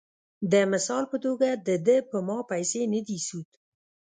د مثال پۀ توګه د دۀ پۀ ما پېسې نۀ دي سود ،